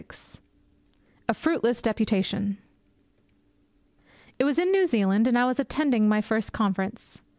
VI A FRUITLESS DEPUTATION It was in New Zealand, and I was attending my first Conference.